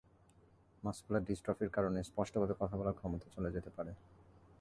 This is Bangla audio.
মাসকুলার ডিসট্রফির কারণে স্পষ্টভাবে কথা বলার ক্ষমতা চলে যেতে পারে।